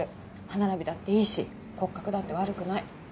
歯並びだっていいし骨格だって悪くない。